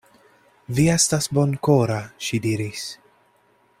Vi estas bonkora, ŝi diris.